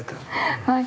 はい。